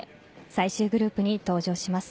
最終グループに登場します。